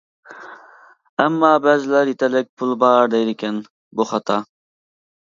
ئەمما بەزىلەر يېتەرلىك پۇل بار دەيدىكەن، بۇ خاتا.